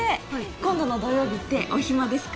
今度の土曜日ってお暇ですか？